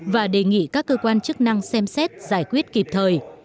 và đề nghị các cơ quan chức năng xem xét giải quyết kịp thời